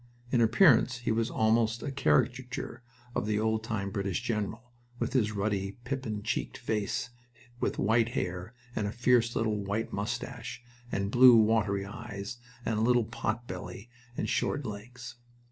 In appearance he was almost a caricature of an old time British general, with his ruddy, pippin cheeked face, with white hair, and a fierce little white mustache, and blue, watery eyes, and a little pot belly and short legs.